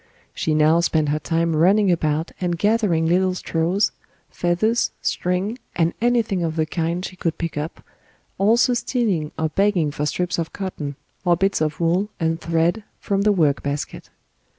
She now spent her time running about and gathering little straws, feathers, string, and anything of the kind she could pick up, also stealing or begging for strips of cotton, or bits of wool and thread from the work basket.